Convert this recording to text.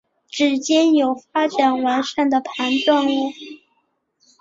趾尖有发展完善的盘状物。